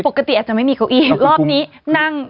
อาจจะไม่มีเก้าอี้รอบนี้นั่ง